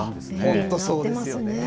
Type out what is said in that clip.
本当、そうですよね。